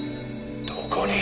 どこに？